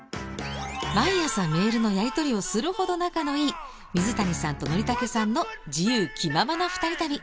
毎朝メールのやり取りをするほど仲のいい水谷さんと憲武さんの自由気ままな２人旅。